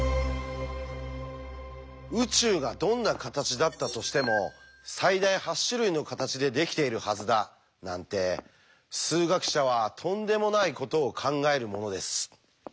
「宇宙がどんな形だったとしても最大８種類の形でできているはずだ」なんて数学者はとんでもないことを考えるものです。